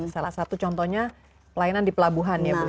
salah satu contohnya pelayanan di pelabuhan ya bu ya